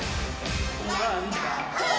「ワンダホー！」